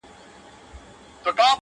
د مطرب به په شهباز کي غزل نور وي!.